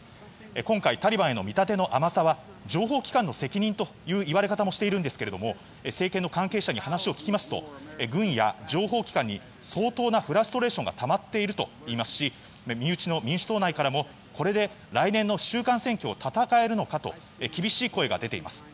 今回タリバンへの見立ての甘さは情報機関の甘さといわれ方もしているんですが政権の関係者に話を聞きますと軍や情報機関に相当なフラストレーションがたまっているといいますし身内の民主党内からもこれで来年の選挙を戦えるのかと厳しい声が出ています。